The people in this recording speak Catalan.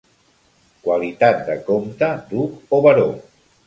Qualitat de comte, duc o baró.